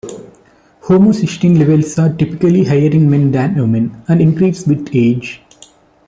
Homocysteine levels are typically higher in men than women, and increase with age.